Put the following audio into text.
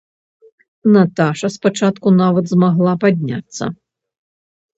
Наташа спачатку нават змагла падняцца.